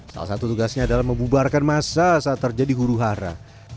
salah satu tugasnya adalah membubarkan masa saat terjadi huru hara